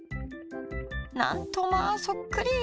なんとまあそっくり！